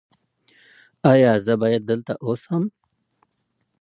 ایا زه باید دلته اوسم؟